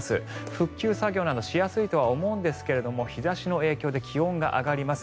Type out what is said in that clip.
復旧作業などしやすいとは思うんですが日差しの影響で気温が上がります。